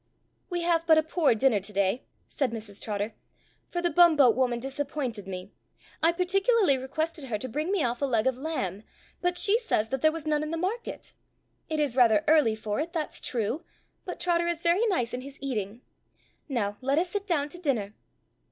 "We have but a poor dinner to day," said Mrs Trotter, "for the bum boat woman disappointed me. I particularly requested her to bring me off a leg of lamb, but she says that there was none in the market. It is rather early for it, that's true, but Trotter is very nice in his eating. Now let us sit down to dinner."